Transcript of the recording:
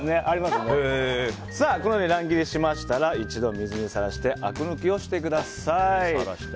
さあ、乱切りしましたら一度水にさらしてあく抜きをしてください。